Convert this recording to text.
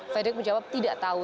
freduring menjawab tidak tahu